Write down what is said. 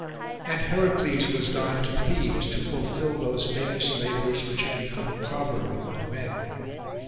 And Heracles was gone to Thebes to fulfil those famous labours which have become a proverb among men.